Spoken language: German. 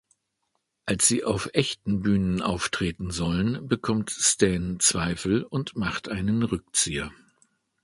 Als sie auf echten Bühnen auftreten sollen, bekommt Stan Zweifel und macht einen Rückzieher.